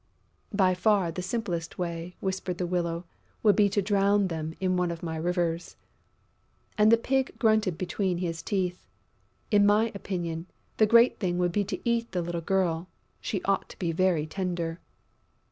"By far the simplest way," whispered the Willow, "would be to drown them in one of my rivers." And the Pig grunted between his teeth: "In my opinion, the great thing would be to eat the little girl.... She ought to be very tender...."